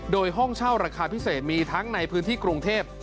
โดยห้องเช่าราคาพิเศษมีทั้งในพื้นที่กรุงเทพ